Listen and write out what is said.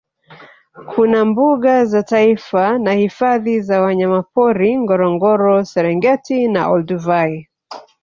Kuna mbuga za taifa na hifadhi za wanyamapori Ngorongoro Serengeti na Olduvai